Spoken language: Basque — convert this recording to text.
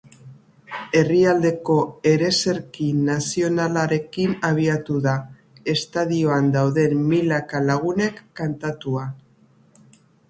Herrialdeko ereserki nazionalarekin abiatu da, estadioan dauden milaka lagunek kantatua.